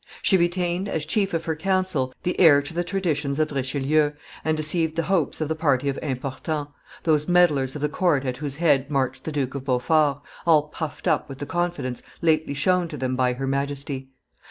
She retained as chief of her council the heir to the traditions of Richelieu, and deceived the hopes of the party of Importants, those meddlers of the court at whose head marched the Duke of Beaufort, all puffed up with the confidence lately shown to him by her Majesty.